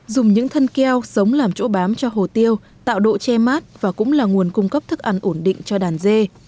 dùng những thân keo sống làm chỗ bám cho hồ tiêu tạo độ che mát và cũng là nguồn cung cấp thức ăn ổn định cho đàn dê